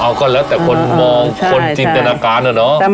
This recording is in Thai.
เอาก็แล้วแต่คนมองคนจินตนาการนะเนาะ